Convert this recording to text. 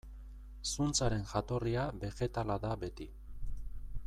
Zuntzaren jatorria begetala da beti.